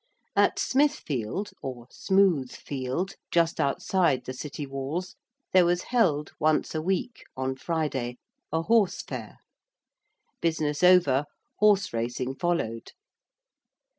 At Smithfield or Smooth Field just outside the City walls, there was held once a week on Friday a horse fair. Business over, horse racing followed.